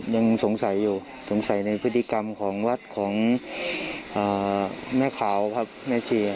ยังสงสัยอยู่สงสัยในพฤติกรรมของวัดของแม่ขาวครับแม่เชียร์